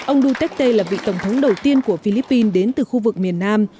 ông duterte là vị tổng thống đầu tiên của philippines đến từ khu vực miền nam